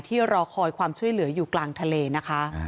รอคอยความช่วยเหลืออยู่กลางทะเลนะคะ